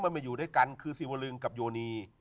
มาอยู่ด้วยกันคือสิวลึงกับโยนี